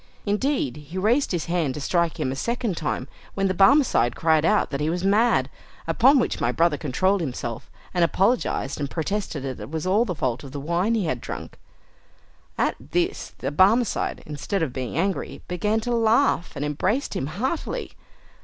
Indeed, he raised his hand to strike him a second time, when the Barmecide cried out that he was mad, upon which my brother controlled himself, and apologised and protested that it was all the fault of the wine he had drunk. At this the Barmecide, instead of being angry, began to laugh, and embraced him heartily.